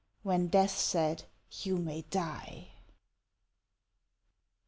When Death said, "You may die."